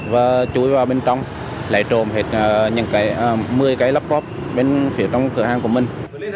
và chui vào bên trong lại trộm hết một mươi cái lắp góp bên phía trong cửa hàng của mình